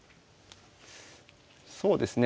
そうですね。